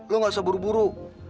lo gak usah buru buru